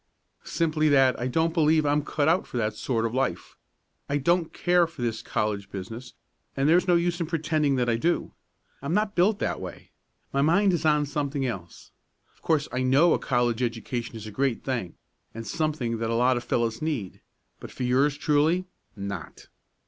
"Simply that I don't believe I'm cut out for that sort of life. I don't care for this college business, and there's no use pretending that I do. I'm not built that way. My mind is on something else. Of course I know a college education is a great thing, and something that lots of fellows need. But for yours truly not!"